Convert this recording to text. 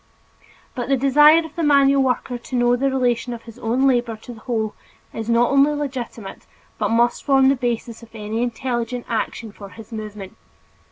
But the desire of the manual worker to know the relation of his own labor to the whole is not only legitimate but must form the basis of any intelligent action for his improvement.